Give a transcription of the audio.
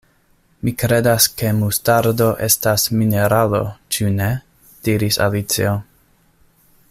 "Mi kredas ke mustardo estas mineralo, ĉu ne?" diris Alicio.